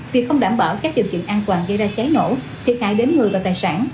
vì không đảm bảo các điều kiện an toàn gây ra cháy nổ thiệt hại đến người và tài sản